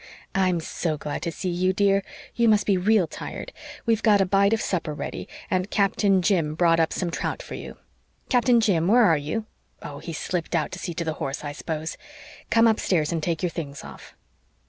"I'm so glad to see you, dear. You must be real tired. We've got a bite of supper ready, and Captain Jim brought up some trout for you. Captain Jim where are you? Oh, he's slipped out to see to the horse, I suppose. Come upstairs and take your things off."